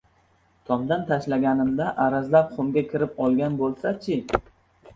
Tomdan tashlaganimda arazlab xumga kirib olgan bo‘lsa-chi?